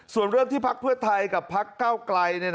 ส่วนเรื่องที่พักเพื่อไทยกับพักเก้าไกล